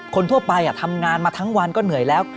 คนทั่วไปทำงานมาทั้งวันก็เหนื่อยแล้ว